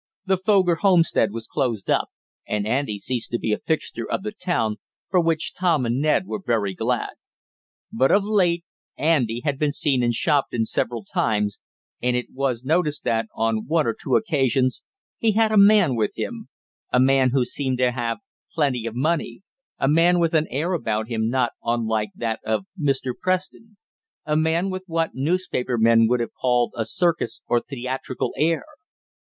The Foger homestead was closed up, and Andy ceased to be a fixture of the town, for which Tom and Ned were very glad. But of late Andy had been seen in Shopton several times, and it was noticed that, on one or two occasions, he had a man with him a man who seemed to have plenty of money a man with an air about him not unlike that of Mr. Preston. A man with what newspaper men would have called a circus or theatrical "air."